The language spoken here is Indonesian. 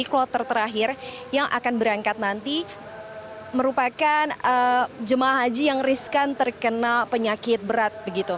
kloter terakhir yang akan berangkat nanti merupakan jemaah haji yang riskan terkena penyakit berat